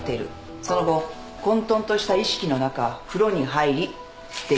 その後混沌とした意識の中風呂に入り溺死した。